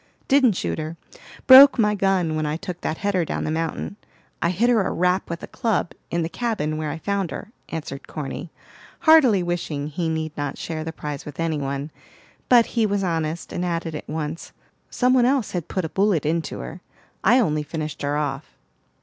"Didn't shoot her; broke my gun when I took that header down the mountain. I hit her a rap with a club, in the cabin where I found her," answered Corny, heartily wishing he need not share the prize with any one. But he was honest, and added at once, "Some one else had put a bullet into her; I only finished her off."